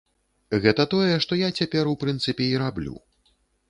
Гэта тое, што я цяпер, у прынцыпе, і раблю.